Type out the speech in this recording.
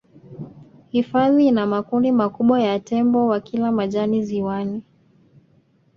hifadhi ina makundi makubwa ya tembo wakila majani ziwani